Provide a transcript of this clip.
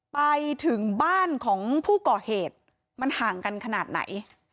ไปถึงบ้านของผู้ก่อเหตุมันห่างกันขนาดไหน